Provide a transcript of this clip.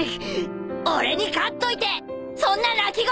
俺に勝っといてそんな泣き言言うなよ！